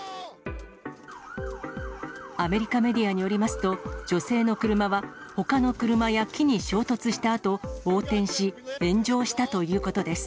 アメリカメディアによりますと、女性の車は、ほかの車や木に衝突したあと横転し炎上したということです。